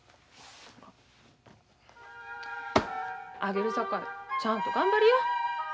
あげるさかいちゃんと頑張りや。